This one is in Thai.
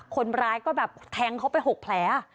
คนร้ายก็แบบแทงเขาไป๖แผล